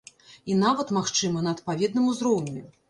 І нават, магчыма, на адпаведным узроўні.